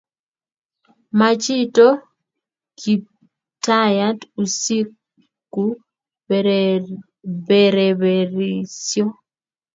Ma chito Kiptayat asiku bereberisio